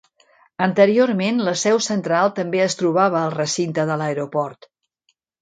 Anteriorment, la seu central també es trobava al recinte de l'aeroport.